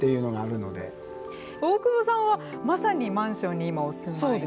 大久保さんはまさにマンションに今お住まいで。